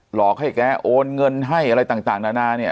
หลอกให้แกโอนเงินให้อะไรต่างนานาเนี่ย